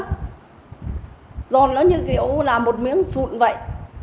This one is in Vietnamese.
nó giòn như kiểu là một miếng sụn vậy